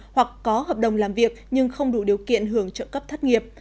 hoặc có hợp đồng làm việc nhưng không đủ điều kiện hưởng trợ cấp thất nghiệp